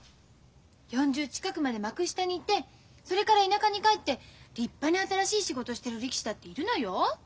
４０近くまで幕下にいてそれから田舎に帰って立派に新しい仕事してる力士だっているのよ。